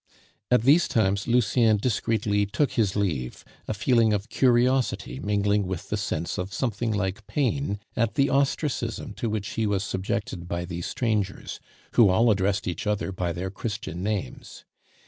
At these times Lucien discreetly took his leave, a feeling of curiosity mingling with the sense of something like pain at the ostracism to which he was subjected by these strangers, who all addressed each other by their Christian names.